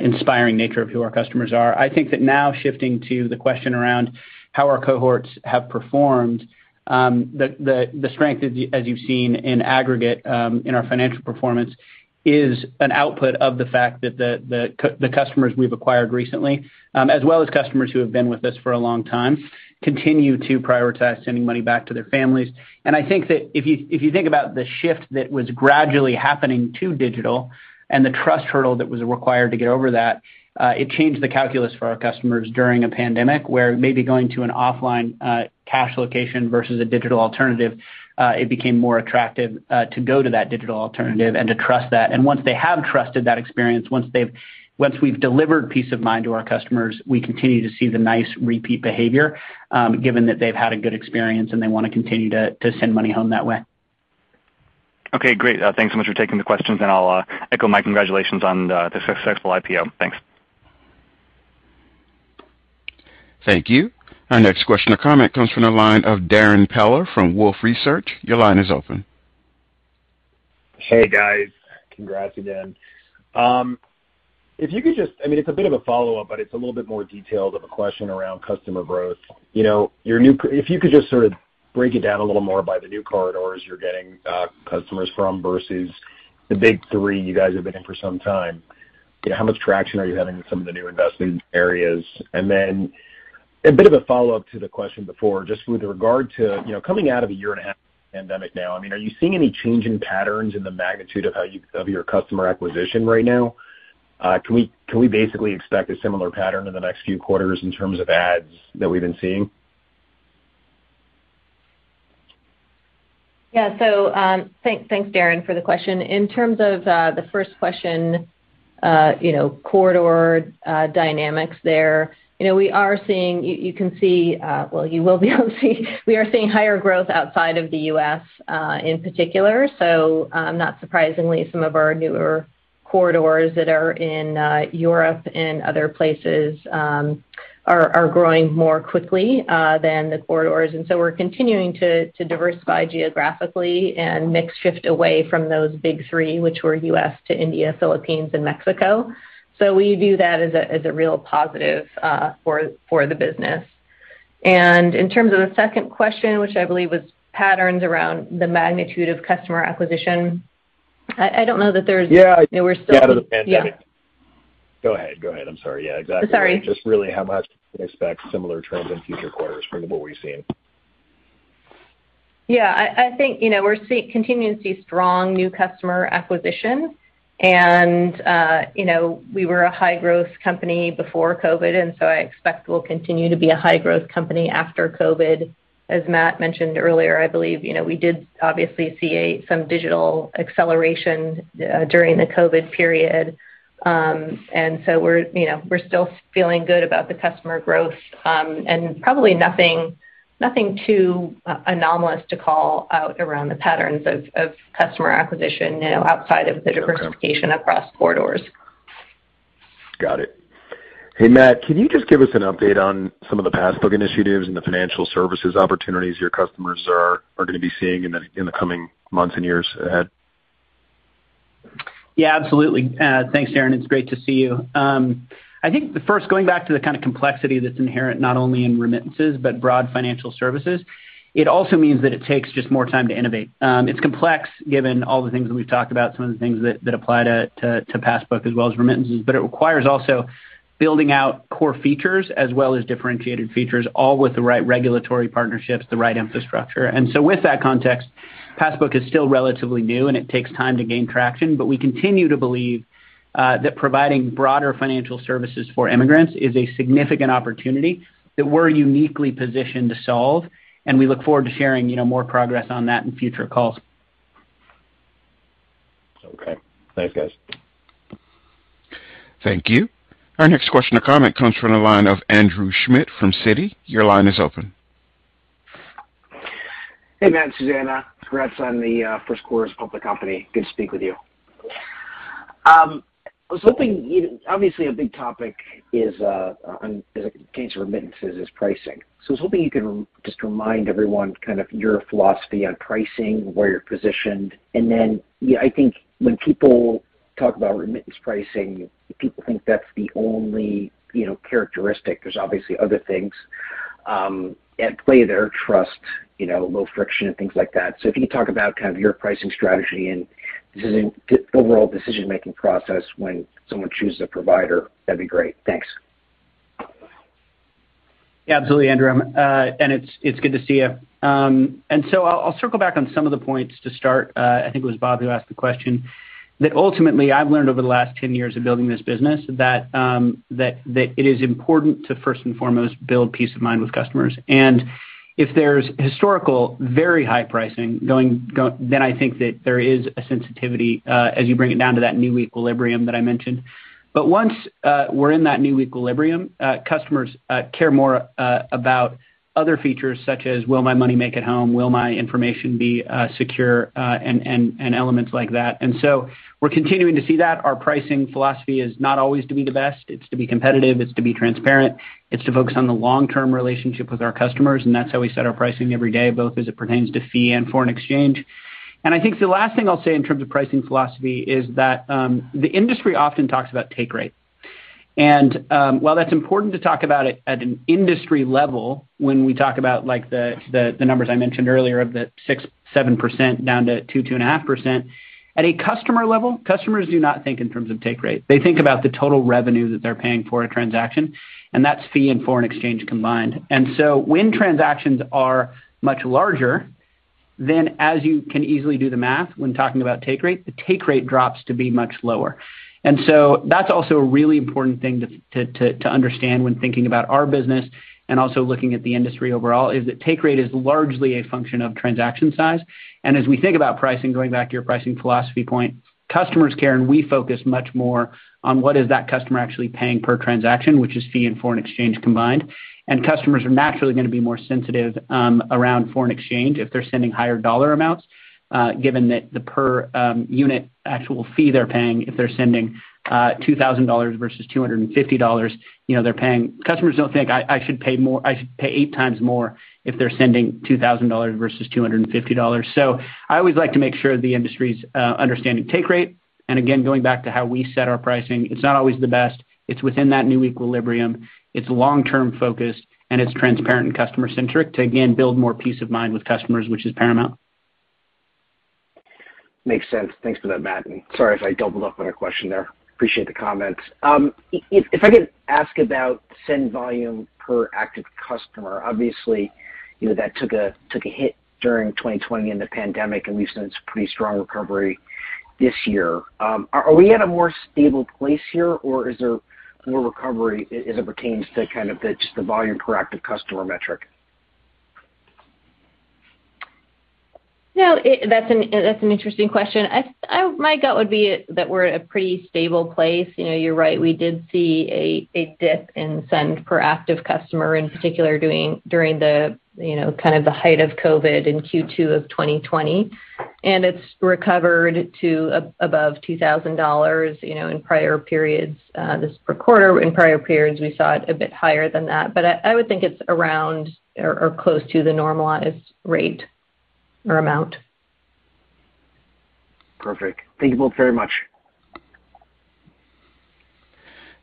[SPEAKER 3] inspiring nature of who our customers are. I think that now shifting to the question around how our cohorts have performed, the strength as you've seen in aggregate, in our financial performance is an output of the fact that the customers we've acquired recently, as well as customers who have been with us for a long time, continue to prioritize sending money back to their families. I think that if you think about the shift that was gradually happening to digital and the trust hurdle that was required to get over that, it changed the calculus for our customers during a pandemic, where maybe going to an offline cash location versus a digital alternative, it became more attractive to go to that digital alternative and to trust that. Once they have trusted that experience, once we've delivered peace of mind to our customers, we continue to see the nice repeat behavior, given that they've had a good experience and they wanna continue to send money home that way.
[SPEAKER 7] Okay, great. Thanks so much for taking the questions, and I'll echo my congratulations on the successful IPO. Thanks.
[SPEAKER 1] Thank you. Our next question or comment comes from the line of Darrin Peller from Wolfe Research. Your line is open.
[SPEAKER 8] Hey guys, congrats again. If you could just, I mean, it's a bit of a follow-up, but it's a little bit more detailed of a question around customer growth. You know, if you could just sort of break it down a little more by the new corridors you're getting customers from versus the big three you guys have been in for some time. You know, how much traction are you having with some of the new investment areas? And then a bit of a follow-up to the question before, just with regard to, you know, coming out of a year and a half pandemic now, I mean, are you seeing any change in patterns in the magnitude of your customer acquisition right now? Can we basically expect a similar pattern in the next few quarters in terms of ads that we've been seeing?
[SPEAKER 4] Yeah. Thanks, Darrin for the question. In terms of the first question, you know, corridor dynamics there, you know, we are seeing. You can see, well, you will be able to see we are seeing higher growth outside of the U.S., in particular. Not surprisingly, some of our newer corridors that are in Europe and other places are growing more quickly than the corridors. We're continuing to diversify geographically and mix shift away from those big three, which were U.S. to India, Philippines and Mexico. We view that as a real positive for the business. In terms of the second question, which I believe was patterns around the magnitude of customer acquisition, I don't know that there's-
[SPEAKER 8] Yeah.
[SPEAKER 4] We're still-
[SPEAKER 8] Out of the pandemic.
[SPEAKER 4] Yeah.
[SPEAKER 8] Go ahead. I'm sorry. Yeah, exactly.
[SPEAKER 4] Sorry.
[SPEAKER 8] Just really how much can we expect similar trends in future quarters from what we've seen?
[SPEAKER 4] I think, you know, we're continuing to see strong new customer acquisition. You know, we were a high growth company before COVID, and so I expect we'll continue to be a high growth company after COVID. As Matt mentioned earlier, I believe, you know, we did obviously see some digital acceleration during the COVID period. You know, we're still feeling good about the customer growth, and probably nothing too anomalous to call out around the patterns of customer acquisition, you know, outside of the diversification across corridors.
[SPEAKER 8] Got it. Hey, Matt, can you just give us an update on some of the Passbook initiatives and the financial services opportunities your customers are gonna be seeing in the coming months and years ahead?
[SPEAKER 3] Yeah, absolutely. Thanks, Darrin. It's great to see you. I think the first, going back to the kind of complexity that's inherent not only in remittances, but broad financial services, it also means that it takes just more time to innovate. It's complex given all the things that we've talked about, some of the things that apply to Passbook as well as remittances, but it requires also building out core features as well as differentiated features, all with the right regulatory partnerships, the right infrastructure. With that context, Passbook is still relatively new, and it takes time to gain traction. We continue to believe that providing broader financial services for immigrants is a significant opportunity that we're uniquely positioned to solve, and we look forward to sharing, you know, more progress on that in future calls.
[SPEAKER 8] Okay. Thanks, guys.
[SPEAKER 1] Thank you. Our next question or comment comes from the line of Andrew Schmidt from Citi. Your line is open.
[SPEAKER 9] Hey, Matt, Susanna. Congrats on the first quarter as a public company. Good to speak with you. I was hoping, you know, obviously a big topic is in the case of remittances is pricing. I was hoping you can just remind everyone kind of your philosophy on pricing, where you're positioned. Yeah, I think when people talk about remittance pricing, people think that's the only, you know, characteristic. There's obviously other things at play there, trust, you know, low friction and things like that. If you could talk about kind of your pricing strategy and decision, the overall decision-making process when someone chooses a provider, that'd be great. Thanks.
[SPEAKER 3] Yeah, absolutely, Andrew. It's good to see you. I'll circle back on some of the points to start. I think it was Bob who asked the question that ultimately I've learned over the last 10 years of building this business that it is important to first and foremost build peace of mind with customers. If there's historical very high pricing going, then I think that there is a sensitivity as you bring it down to that new equilibrium that I mentioned. Once we're in that new equilibrium, customers care more about other features such as will my money make it home? Will my information be secure? And elements like that. We're continuing to see that. Our pricing philosophy is not always to be the best. It's to be competitive, it's to be transparent, it's to focus on the long-term relationship with our customers, and that's how we set our pricing every day, both as it pertains to fee and foreign exchange. I think the last thing I'll say in terms of pricing philosophy is that, the industry often talks about take rate. While that's important to talk about at an industry level, when we talk about like the numbers I mentioned earlier of the 6%-7% down to 2%-2.5%, at a customer level, customers do not think in terms of take rate. They think about the total revenue that they're paying for a transaction, and that's fee and foreign exchange combined. When transactions are much larger, then as you can easily do the math when talking about take rate, the take rate drops to be much lower. That's also a really important thing to understand when thinking about our business and also looking at the industry overall, is that take rate is largely a function of transaction size. As we think about pricing, going back to your pricing philosophy point, customers care and we focus much more on what is that customer actually paying per transaction, which is fee and foreign exchange combined. Customers are naturally gonna be more sensitive around foreign exchange if they're sending higher dollar amounts, given that the per unit actual fee they're paying if they're sending $2,000 versus $250, you know, they're paying... Customers don't think I should pay more. I should pay 8x more if they're sending $2,000 versus $250. I always like to make sure the industry's understanding take rate. Going back to how we set our pricing, it's not always the best. It's within that new equilibrium. It's long-term focused, and it's transparent and customer-centric to again build more peace of mind with customers, which is paramount.
[SPEAKER 9] Makes sense. Thanks for that, Matt. Sorry if I doubled up on a question there. Appreciate the comments. If I could ask about send volume per active customer. Obviously, you know, that took a hit during 2020 in the pandemic, and we've seen some pretty strong recovery this year. Are we at a more stable place here, or is there more recovery as it pertains to kind of the just the volume per active customer metric?
[SPEAKER 4] No, that's an interesting question. My gut would be that we're at a pretty stable place. You know, you're right, we did see a dip in send per active customer, in particular during the height of COVID in Q2 of 2020. It's recovered to above $2,000, you know, in prior periods this per quarter. In prior periods, we saw it a bit higher than that. I would think it's around or close to the normalized rate or amount.
[SPEAKER 9] Perfect. Thank you both very much.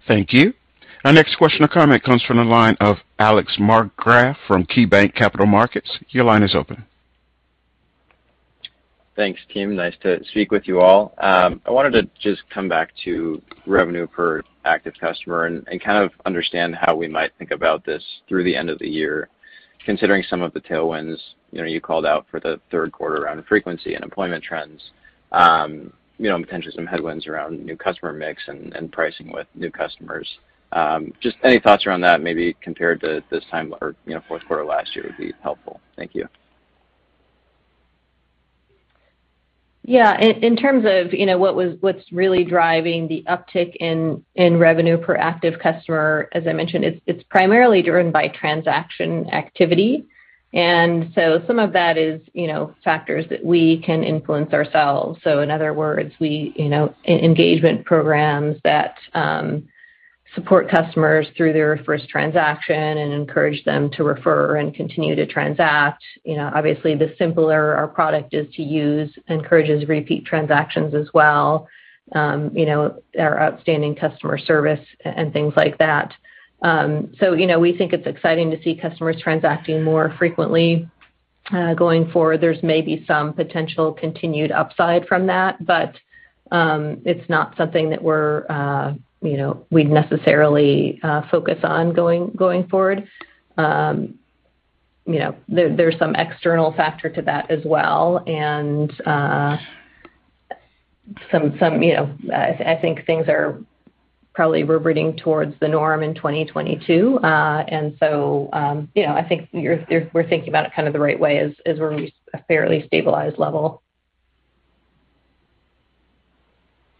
[SPEAKER 1] Thank you. Our next question or comment comes from the line of Alex Markgraff from KeyBanc Capital Markets. Your line is open.
[SPEAKER 10] Thanks, team. Nice to speak with you all. I wanted to just come back to revenue per active customer and kind of understand how we might think about this through the end of the year, considering some of the tailwinds, you know, you called out for the third quarter around frequency and employment trends. You know, potentially some headwinds around new customer mix and pricing with new customers. Just any thoughts around that, maybe compared to this time or, you know, fourth quarter last year would be helpful. Thank you.
[SPEAKER 4] Yeah. In terms of, you know, what's really driving the uptick in revenue per active customer, as I mentioned, it's primarily driven by transaction activity. Some of that is, you know, factors that we can influence ourselves. In other words, we, you know, engagement programs that support customers through their first transaction and encourage them to refer and continue to transact. You know, obviously, the simpler our product is to use encourages repeat transactions as well, you know, our outstanding customer service and things like that. You know, we think it's exciting to see customers transacting more frequently. Going forward, there's maybe some potential continued upside from that, but it's not something that we're, you know, we'd necessarily focus on going forward. You know, there's some external factor to that as well. Some you know, I think things are probably reverberating towards the norm in 2022. You know, I think we're thinking about it kind of the right way as we're a fairly stabilized level.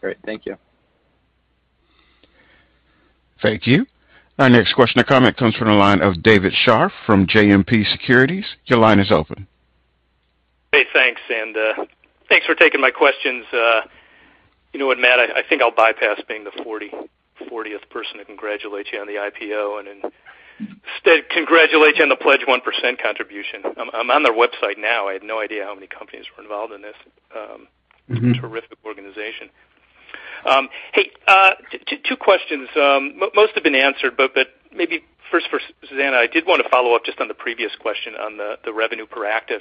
[SPEAKER 10] Great. Thank you.
[SPEAKER 1] Thank you. Our next question or comment comes from the line of David Scharf from JMP Securities. Your line is open.
[SPEAKER 11] Hey, thanks, and thanks for taking my questions. You know what, Matt, I think I'll bypass being the fortieth person to congratulate you on the IPO and instead congratulate you on the Pledge 1% contribution. I'm on their website now. I had no idea how many companies were involved in this.
[SPEAKER 3] Mm-hmm.
[SPEAKER 11] Terrific organization. Hey, two questions. Most have been answered, but maybe first for Susanna, I did wanna follow up just on the previous question on the revenue per active.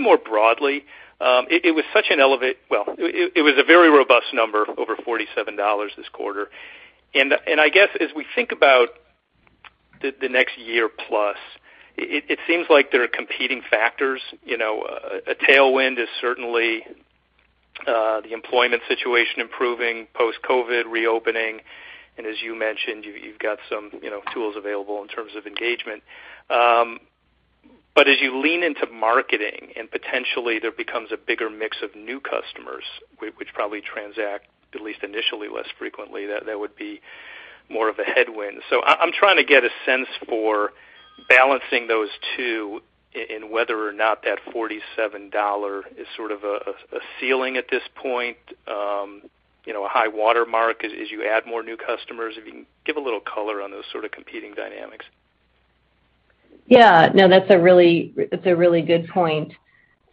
[SPEAKER 11] More broadly, it was a very robust number, over $47 this quarter. I guess as we think about the next year plus, it seems like there are competing factors. You know, a tailwind is certainly the employment situation improving post-COVID, reopening. And as you mentioned, you've got some tools available in terms of engagement. But as you lean into marketing and potentially there becomes a bigger mix of new customers, which probably transact at least initially less frequently, that would be more of a headwind. I'm trying to get a sense for balancing those two and whether or not that $47 is sort of a ceiling at this point, you know, a high watermark as you add more new customers. If you can give a little color on those sort of competing dynamics.
[SPEAKER 4] Yeah. No, that's a really good point.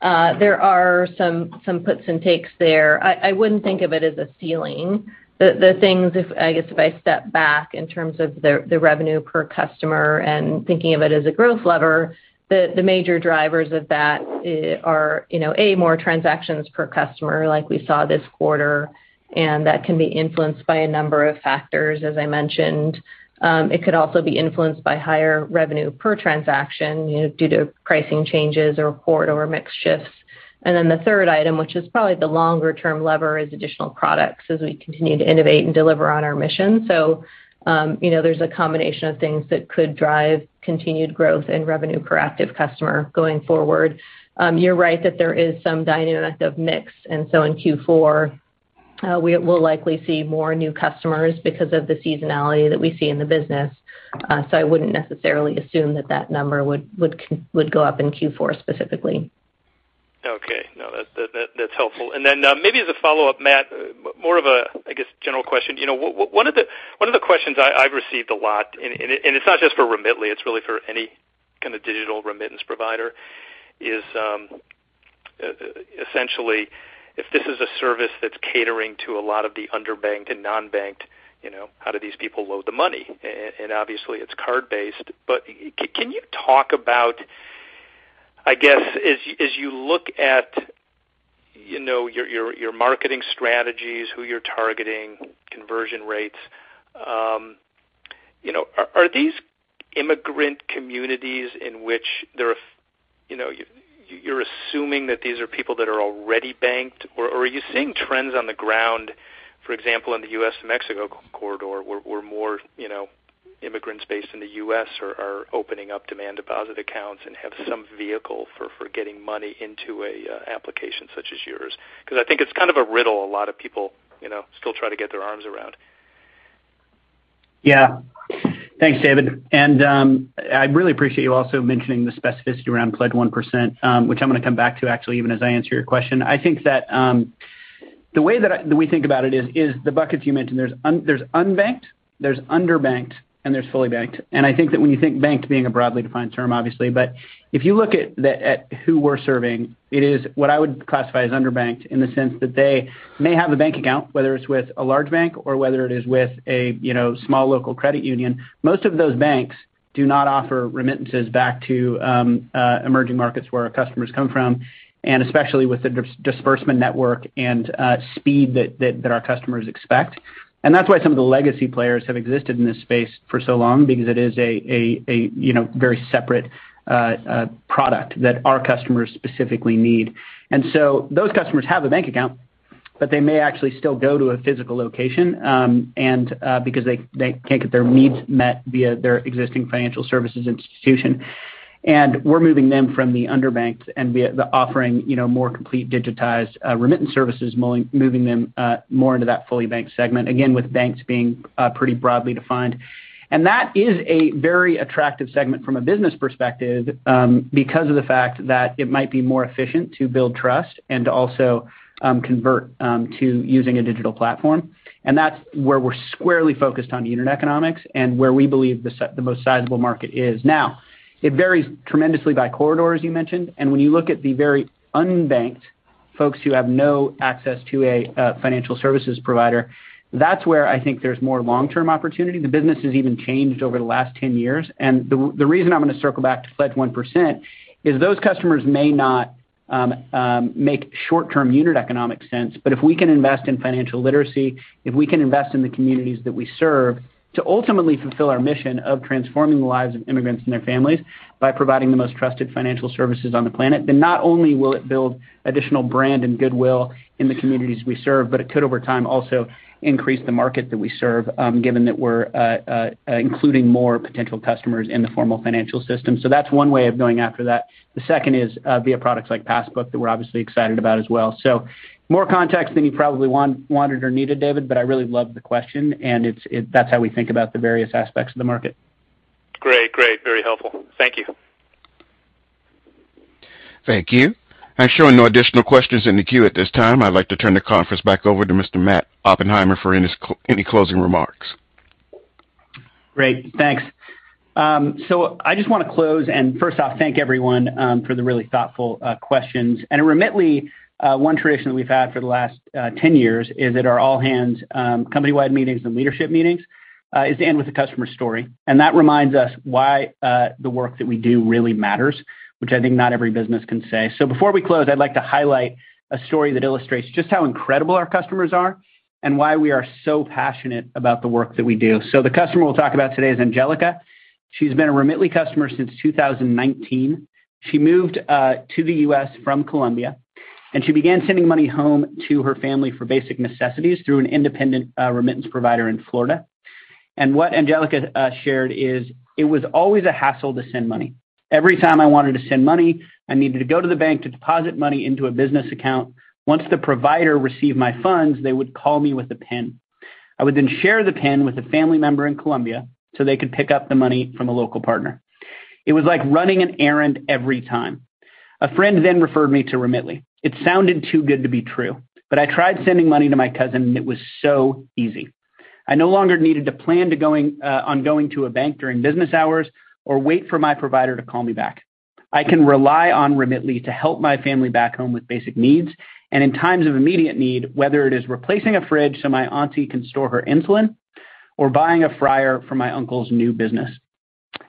[SPEAKER 4] There are some puts and takes there. I wouldn't think of it as a ceiling. I guess if I step back in terms of the revenue per customer and thinking of it as a growth lever, the major drivers of that are, you know, A, more transactions per customer like we saw this quarter, and that can be influenced by a number of factors, as I mentioned. It could also be influenced by higher revenue per transaction, you know, due to pricing changes or quarter mix shifts. The third item, which is probably the longer-term lever, is additional products as we continue to innovate and deliver on our mission. You know, there's a combination of things that could drive continued growth in revenue per active customer going forward. You're right that there is some dynamic of mix. In Q4, we will likely see more new customers because of the seasonality that we see in the business. I wouldn't necessarily assume that number would go up in Q4 specifically.
[SPEAKER 11] Okay. No, that's helpful. Then, maybe as a follow-up, Matt, more of a, I guess, general question. You know, one of the questions I've received a lot, and it's not just for Remitly, it's really for any kind of digital remittance providers. Is essentially if this is a service that's catering to a lot of the underbanked and non-banked, you know, how do these people load the money? Obviously it's card-based, but can you talk about, I guess, as you look at, you know, your marketing strategies, who you're targeting, conversion rates, you know, are these immigrant communities in which there are... You know, you're assuming that these are people that are already banked or are you seeing trends on the ground, for example, in the U.S.-Mexico corridor, where more, you know, immigrants based in the U.S. are opening up demand deposit accounts and have some vehicle for getting money into a application such as yours? 'Cause I think it's kind of a riddle a lot of people, you know, still try to get their arms around.
[SPEAKER 3] Yeah. Thanks, David. I really appreciate you also mentioning the specificity around Pledge 1%, which I'm gonna come back to actually, even as I answer your question. I think that the way that we think about it is the buckets you mentioned. There's unbanked, there's underbanked, and there's fully banked. I think that when you think banked, being a broadly defined term, obviously. If you look at who we're serving, it is what I would classify as underbanked in the sense that they may have a bank account, whether it's with a large bank or whether it is with a, you know, small local credit union. Most of those banks do not offer remittances back to emerging markets where our customers come from, and especially with the disbursement network and speed that our customers expect. That's why some of the legacy players have existed in this space for so long, because it is a you know very separate product that our customers specifically need. Those customers have a bank account, but they may actually still go to a physical location because they can't get their needs met via their existing financial services institution. We're moving them from the underbanked via the offering you know more complete digitized remittance services moving them more into that fully banked segment. Again, with banks being pretty broadly defined. That is a very attractive segment from a business perspective, because of the fact that it might be more efficient to build trust and to also convert to using a digital platform. That's where we're squarely focused on the unit economics and where we believe the most sizable market is. Now, it varies tremendously by corridor, as you mentioned. When you look at the very unbanked folks who have no access to a financial services provider, that's where I think there's more long-term opportunity. The business has even changed over the last 10 years. The reason I'm gonna circle back to Pledge 1% is those customers may not make short-term unit economic sense. If we can invest in financial literacy, if we can invest in the communities that we serve to ultimately fulfill our mission of transforming the lives of immigrants and their families by providing the most trusted financial services on the planet, then not only will it build additional brand and goodwill in the communities we serve, but it could, over time, also increase the market that we serve, given that we're including more potential customers in the formal financial system. That's one way of going after that. The second is, via products like Passbook that we're obviously excited about as well. More context than you probably wanted or needed, David, but I really love the question, and that's how we think about the various aspects of the market.
[SPEAKER 11] Great. Very helpful. Thank you.
[SPEAKER 1] Thank you. I show no additional questions in the queue at this time. I'd like to turn the conference back over to Mr. Matt Oppenheimer for any closing remarks.
[SPEAKER 3] Great, thanks. I just wanna close and first off, thank everyone for the really thoughtful questions. At Remitly, one tradition we've had for the last 10 years is at our all-hands company-wide meetings and leadership meetings is to end with a customer story. That reminds us why the work that we do really matters, which I think not every business can say. Before we close, I'd like to highlight a story that illustrates just how incredible our customers are and why we are so passionate about the work that we do. The customer we'll talk about today is Angelica. She's been a Remitly customer since 2019. She moved to the U.S. from Colombia, and she began sending money home to her family for basic necessities through an independent remittance provider in Florida. What Angelica shared is, "It was always a hassle to send money. Every time I wanted to send money, I needed to go to the bank to deposit money into a business account. Once the provider received my funds, they would call me with a PIN. I would then share the PIN with a family member in Colombia so they could pick up the money from a local partner. It was like running an errand every time. A friend then referred me to Remitly. It sounded too good to be true, but I tried sending money to my cousin, and it was so easy. I no longer needed to plan on going to a bank during business hours or wait for my provider to call me back. I can rely on Remitly to help my family back home with basic needs and in times of immediate need, whether it is replacing a fridge so my auntie can store her insulin or buying a fryer for my uncle's new business."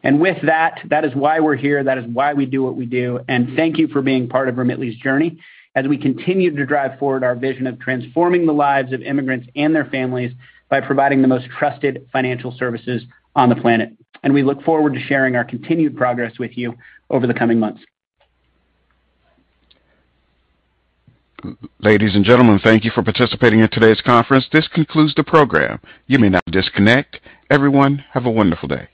[SPEAKER 3] With that is why we're here, that is why we do what we do. Thank you for being part of Remitly's journey as we continue to drive forward our vision of transforming the lives of immigrants and their families by providing the most trusted financial services on the planet. We look forward to sharing our continued progress with you over the coming months.
[SPEAKER 1] Ladies and gentlemen, thank you for participating in today's conference. This concludes the program. You may now disconnect. Everyone, have a wonderful day.